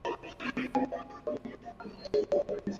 Muziki wa kizazi kipya ni ule ambao unajumuisha mitindo mbali mbali